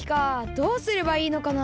どうすればいいのかな？